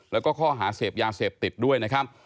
แล้วก็ข้อหาเสพยาเสพติดด้วยนะครับ